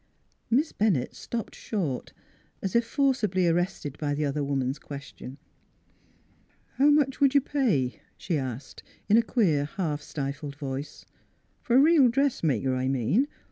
" Miss Bennett stopped short, as if forcibly ar rested by the other woman's question. " How much would you pay? " she asked, in a queer, half stifled voice. " F'r a reel dressmaker, I mean.